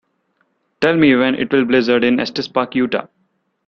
Tell me when it will blizzard in Estes Park, Utah